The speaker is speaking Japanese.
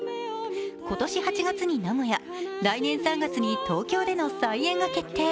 今年８月に名古屋、来年３月に東京での再演が決定。